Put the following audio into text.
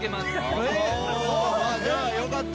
おじゃあよかった。